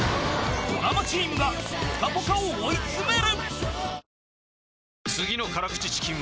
［ドラマチームがぽかぽかを追い詰める］